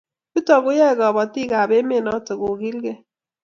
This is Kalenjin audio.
Yutok koyae kabatik ab emet notok kokilgei